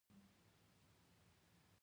د مالدارۍ او لبنیاتو په اړه: